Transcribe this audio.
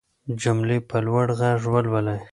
جملې په لوړ غږ ولولئ.